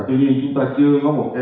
tuy nhiên chúng ta chưa có một